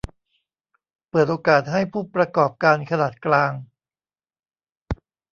เปิดโอกาสให้ผู้ประกอบการขนาดกลาง